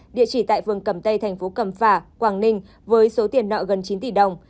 địa chỉ tại phường cẩm tây thành phố cẩm phả quảng ninh với số tiền nợ gần chín tỷ đồng